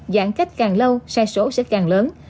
giãn cách càng lâu sai số sẽ càng lớn